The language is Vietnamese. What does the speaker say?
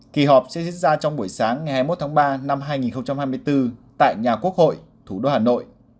kỳ họp sẽ diễn ra trong buổi sáng ngày hai mươi một tháng ba năm hai nghìn hai mươi bốn tại nhà quốc hội thủ đô hà nội